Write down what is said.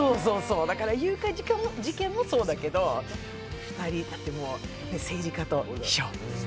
だから誘拐事件もそうだけど、２人、だって政治家と秘書。